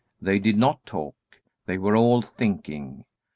They did not talk. They were all thinking.